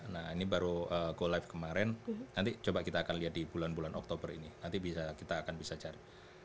nah ini baru go live kemarin nanti coba kita akan lihat di bulan bulan oktober ini nanti kita akan bisa cari